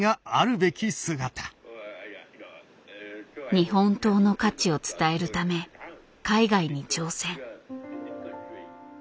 日本刀の価値を伝えるため海外に挑戦。